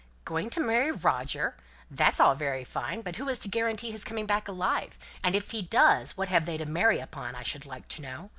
"Going to marry Roger! That's all very fine. But who is to guarantee his coming back alive? And if he does, what have they to marry upon, I should like to know?